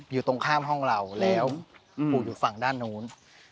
อยู่ตรงข้ามห้องเราแล้วปลูกอยู่ฝั่งด้านนู้น